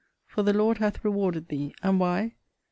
for the Lord hath rewarded thee: And why?